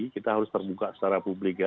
kita harus terbuka secara publik ya